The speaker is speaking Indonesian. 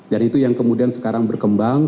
dan itu yang kemudian sekarang berkembang